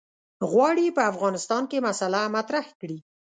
غواړي په افغانستان کې مسأله مطرح کړي.